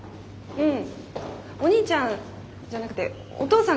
うん。